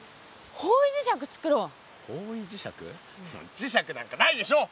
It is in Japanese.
磁石なんかないでしょ！